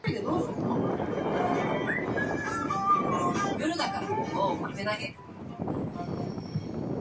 因為是句庫